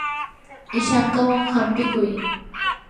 ishankawan hampikuy.